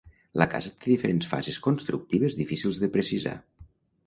La casa té diferents fases constructives difícils de precisar.